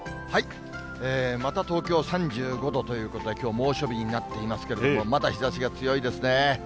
また東京３５度ということで、きょう、猛暑日になっていますけれども、まだ日ざしが強いですね。